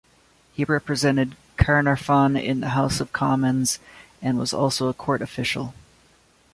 He represented Caernarfon in the House of Commons and was also a court official.